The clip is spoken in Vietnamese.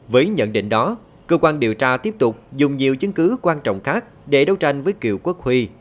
với nhận định đó cơ quan điều tra tiếp tục dùng nhiều chứng cứ quan trọng khác để đấu tranh với kiều quốc huy